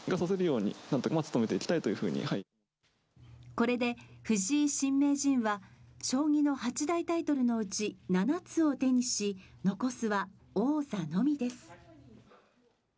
これで藤井新名人は将棋の八大タイトルのうち７つを手にし、残すは王座のみです。